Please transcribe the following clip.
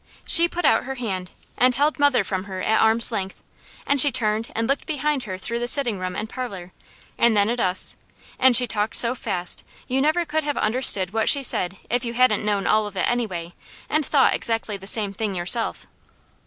She put out her hand and held mother from her at arm's length, and she turned and looked behind her through the sitting room and parlour, and then at us, and she talked so fast you never could have understood what she said if you hadn't known all of it anyway, and thought exactly the same thing yourself.